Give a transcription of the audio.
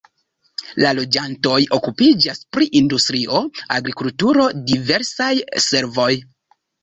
La loĝantoj okupiĝas pri industrio, agrikulturo, diversaj servoj.